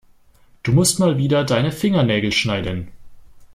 Du musst mal wieder deine Fingernägel schneiden.